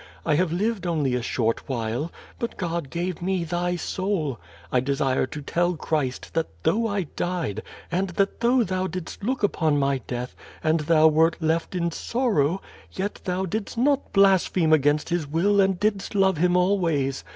I have lived only a short while, but God gave me thy soul. I desire to tell Christ, that though I died, and that though thou didst look upon my death, and though thou wert left in sorrow, yet thou didst not blaspheme against His will and didst love Him always.